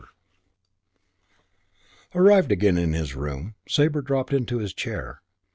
V Arrived again in his room, Sabre dropped into his chair.